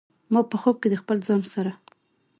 ما په خوب کې د خپل ځان سره